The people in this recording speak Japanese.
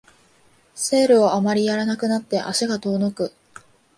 セールをあまりやらなくなって足が遠のく